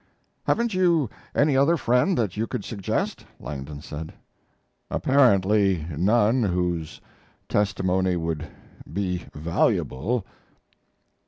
"Haven't you any other friend that you could suggest?" Langdon said. "Apparently none whose testimony would be valuable."